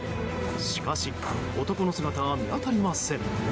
しかし男の姿は見当たりません。